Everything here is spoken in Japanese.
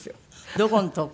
どこのとこ？